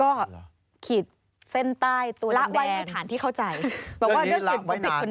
ก็ขีดเส้นใต้ตัวแดงหลักไว้ในฐานที่เข้าใจแบบว่าเรื่องนี้หลักไว้นาน